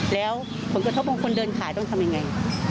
แล้วผลกระทบของคนเดินขายต้องทำยังไง